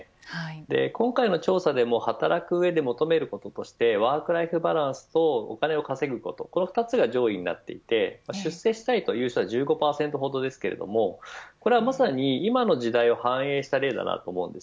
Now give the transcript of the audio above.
今回の調査でも働く上で求めることとしてワークライフバランスとお金を稼ぐことこの２つが上位になっていて出世したいという人は１５％ほどですがこれはまさに今の時代を反映した例だなと思います。